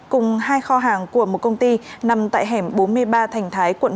cùng hai kho hàng của một công ty nằm tại hẻm bốn mươi ba thành thái quận một